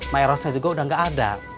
mirosnya juga udah gak ada